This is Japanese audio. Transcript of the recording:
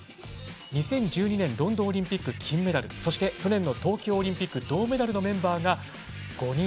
２０１２年ロンドンオリンピック金メダルそして去年の東京オリンピック銅メダルのメンバーが５人。